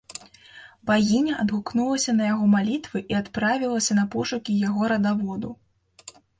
Багіня адгукнулася на яго малітвы і адправілася на пошукі яго радаводу.